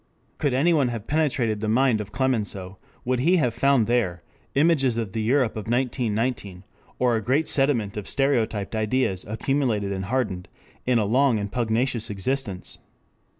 Could anyone have penetrated the mind of M. Clemenceau, would he have found there images of the Europe of 1919, or a great sediment of stereotyped ideas accumulated and hardened in a long and pugnacious existence?